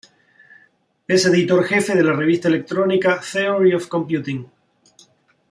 Es editor jefe de la revista electrónica "Theory of Computing".